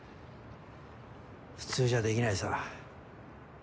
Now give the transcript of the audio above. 普通じゃできないさ。